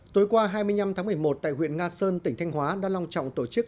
tối qua hai mươi năm tháng một mươi một tại huyện nga sơn tỉnh thanh hóa đã long trọng tổ chức